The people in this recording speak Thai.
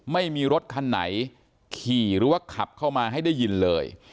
ไม่มีรถคันไหนขี่หรือว่าขับเข้ามาให้ได้ยินเลย